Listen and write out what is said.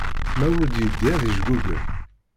Ma ur d-yeddi ad yejgugel.